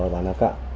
ở bà nạc cạn